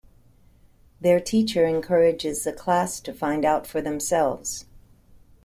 Their teacher encourages the class to find out for themselves.